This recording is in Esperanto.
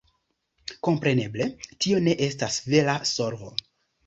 Kompreneble tio ne estas vera solvo.